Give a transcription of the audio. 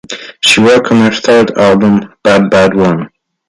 She worked on her third album, "Bad Bad One".